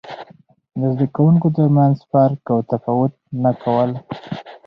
د زده کوونکو ترمنځ فرق او تفاوت نه کول.